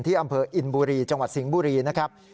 อำเภออินบุรีจังหวัดสิงห์บุรีนะครับ